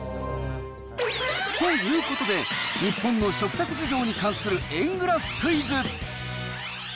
ということで、日本の食卓事情に関する円グラフクイズ。